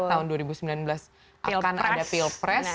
tahun dua ribu sembilan belas akan ada pilpres